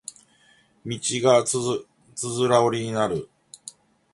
道がつづら折りになり